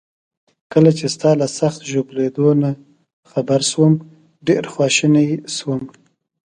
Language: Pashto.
کله چي ستا له سخت ژوبلېدو نه خبر شوم، ډیر خواشینی شوم.